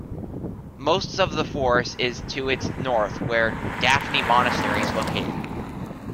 Most of the forest is to its north where the Daphni Monastery is located.